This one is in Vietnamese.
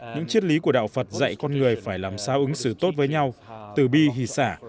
những chiếc lý của đạo phật dạy con người phải làm sao ứng xử tốt với nhau tử bi hì xả